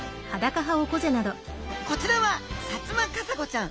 こちらはサツマカサゴちゃん。